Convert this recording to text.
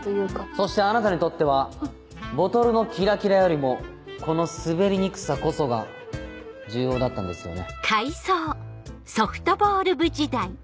そしてあなたにとってはボトルのキラキラよりもこの滑りにくさこそが重要だったんですよね？